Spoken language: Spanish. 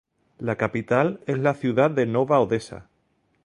La capital es la ciudad de Nova Odesa.